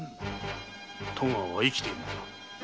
戸川は生きているのだ。